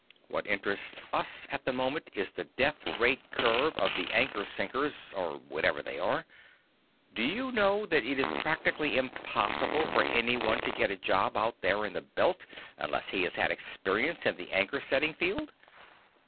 What interests us at the moment is the death rate curve of the anchor sinkers or whatever they are. Did you know that it is practically impossible for anyone to get a job out there in the Belt unless he has had experience in the anchor setting field?"